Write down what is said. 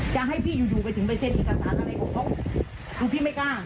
จะให้พี่อยู่อยู่ก็ถึงไปเซ็นอีกการตานอะไรผมพบลูกพี่ไม่กล้า